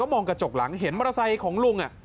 มองกระจกหลังเห็นมอเตอร์ไซค์ของลุง